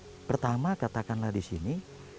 nah pertama katakanlah di sini